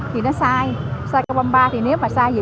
thì nó sai sai câu ba mươi ba thì nếu mà sai gì